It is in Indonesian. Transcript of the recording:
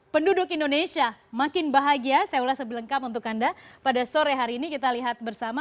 penduduk indonesia makin bahagia saya ulas sebelengkap untuk anda pada sore hari ini kita lihat bersama